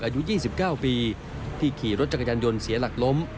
อายุ๒๙ปีที่ขี่รถจักรยานยนต์เสียหลักล้ม